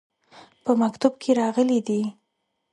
په مکتوب کې راغلي دي.